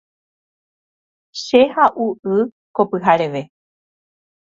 Che ha’u y ko pyhareve.